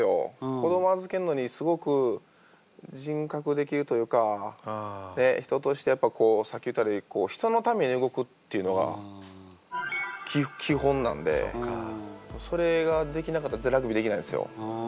子ども預けるのにすごく人格できるというか人としてやっぱこうさっき言うたように人のために動くっていうのが基本なんでそれができなかったらラグビーできないんすよ。